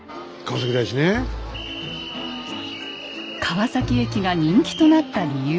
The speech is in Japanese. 川崎駅が人気となった理由。